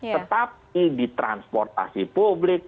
tetapi di transportasi publik